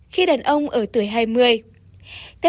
khi đàn ông đã tìm ra hàm muốn tình dục